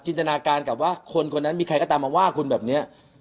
ตนาการกับว่าคนคนนั้นมีใครก็ตามมาว่าคุณแบบนี้